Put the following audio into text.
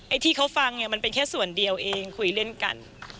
ที่เขาฟังเนี่ยมันเป็นแค่ส่วนเดียวเองคุยเล่นกัน